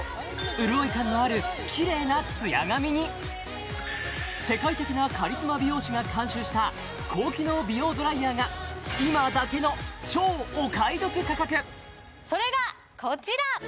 潤い感のあるキレイなツヤ髪に世界的なカリスマ美容師が監修した高機能美容ドライヤーが今だけの超お買い得価格それがこちら！